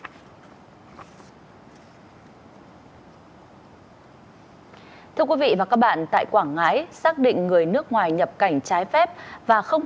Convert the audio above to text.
thưa quý vị và các bạn tại quảng ngãi xác định người nước ngoài nhập cảnh trái phép và không